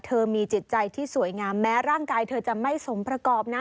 เธอมีจิตใจที่สวยงามแม้ร่างกายเธอจะไม่สมประกอบนะ